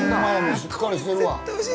しっかりしてるわ。